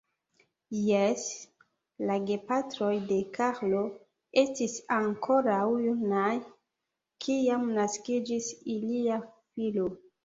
Jes, la gepatroj de Karlo, estis ankoraŭ junaj, kiam naskiĝis ilia filo.